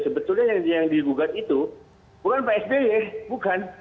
sebetulnya yang digugat itu bukan pak sby bukan